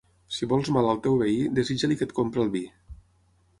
Si vols mal al teu veí, desitja-li que et compri el vi.